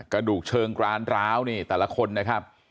กระดูกเชิงกรานร้าวนี่แต่ละคนนะครับ